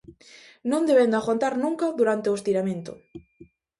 Non debendo aguantar nunca durante o estiramento.